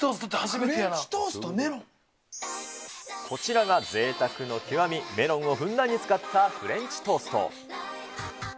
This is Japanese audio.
こちらがぜいたくの極み、メロンをふんだんに使ったフレンチトースト。